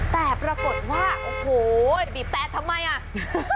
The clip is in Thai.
แต่ปรากฏว่าโอ้โฮบีบแต๊ดทำไม